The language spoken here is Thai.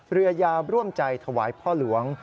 เรือยาร่วมใจถวายพ่อหลวง